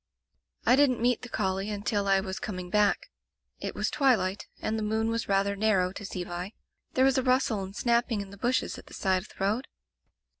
"I didn't meet the collie until I was com ing back. It was twilight, and the moon was rather narrow to see by. There was a rustle and snapping in the bushes at the side of the road.